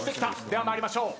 では参りましょう。